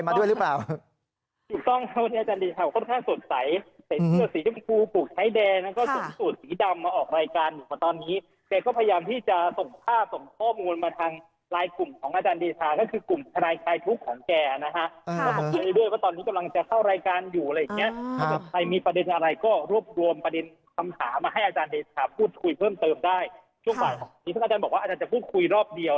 เพราะอาจารย์บอกว่าอาจารย์จะพูดคุยรอบเดียว